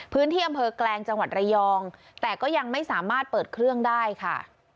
พื้นที่อำเภอแกลงจังหวัดระยองแต่ก็ยังไม่สามารถเปิดเครื่องได้ค่ะ